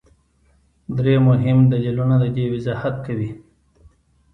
درې مهم دلیلونه د دې وضاحت کوي.